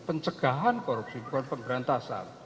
pencegahan korupsi bukan pemberantasan